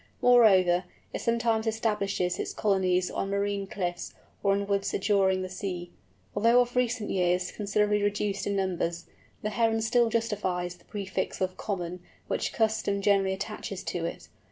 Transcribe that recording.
Moreover, it sometimes establishes its colonies on marine cliffs, or in woods adjoining the sea. Although of recent years considerably reduced in numbers, the Heron still justifies the prefix of "Common," which custom generally attaches to it.